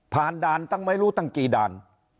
ด่านตั้งไม่รู้ตั้งกี่ด่าน